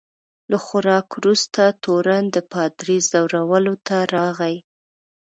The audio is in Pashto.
له خوراک وروسته تورن د پادري ځورولو ته راغی.